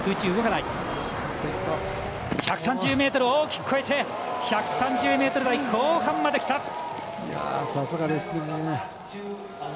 １３０ｍを大きく越えて１３０ｍ台後半まできた。